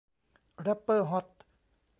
แรปเปอร์ฮอต